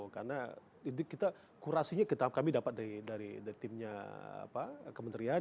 karena kurasinya kami dapat dari timnya kementerian